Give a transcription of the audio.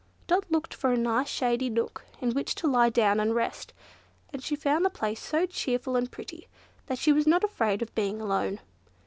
Dot looked for a nice shady nook, in which to lie down and rest; and she found the place so cheerful and pretty, that she was not afraid of being alone.